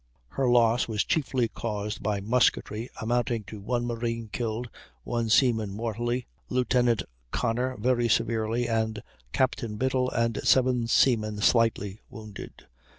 Her loss was chiefly caused by musketry, amounting to 1 marine killed, 1 seaman mortally, Lieutenant Conner very severely, and Captain Biddle and seven seamen slightly, wounded.